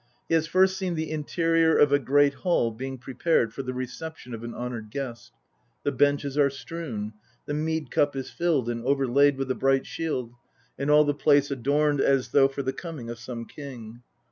He has first seen the interior of a great hall being prepared for the recep tion of an honoured guest; the benches are strewn, the mead cup is filled and overlaid with the bright shield, and all the place adorned as though for the coming of some king.